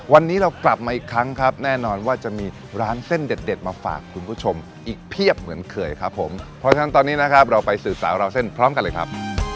วันนี้เรากลับมาอีกครั้งครับแน่นอนว่าจะมีร้านเส้นเด็ดมาฝากคุณผู้ชมอีกเพียบเหมือนเคยครับผมเพราะฉะนั้นตอนนี้นะครับเราไปสืบสาวราวเส้นพร้อมกันเลยครับ